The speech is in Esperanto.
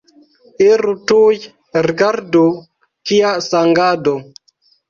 Iru tuj, rigardu, kia sangado!